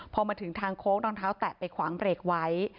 พอมาถึงทางโค้งรองเท้าแตะไปขวางเบรกไว้